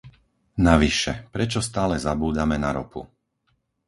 Navyše, prečo stále zabúdame na ropu?